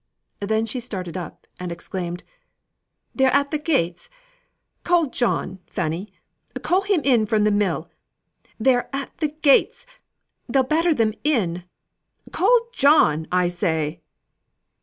Then she started up and exclaimed "They're at the gates! Call John, Fanny, call him in from the mill! They're at the gates! They'll batter them in! Call John, I say!"